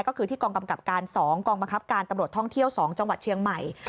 ก็คือที่กองกำกับการ๒กองบังคับการตำรวจท่องเที่ยว๒จังหวัดเชียงใหม่